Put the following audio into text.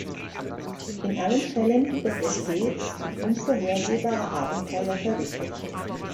In allen Fällen wird er stets in unvorhersehbare Abenteuer verwickelt.